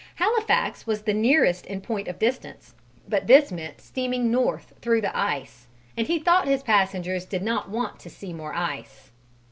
Halifax was the nearest in point of distance, but this meant steaming north through the ice, and he thought his passengers did not want to see more ice.